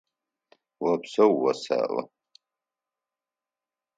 Опсэу осэӏо!